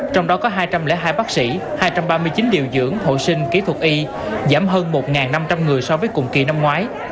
trong đó có hai trăm linh hai bác sĩ hai trăm ba mươi chín điều dưỡng hội sinh kỹ thuật y giảm hơn một năm trăm linh người so với cùng kỳ năm ngoái